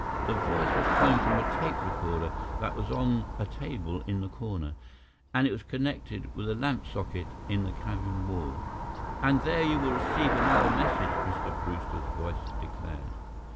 The voice was coming from a tape recorder that was on a table in the corner, and was connected with a lamp socket in the cabin wall. "And there you will receive another message," Mr. Brewster's voice declared.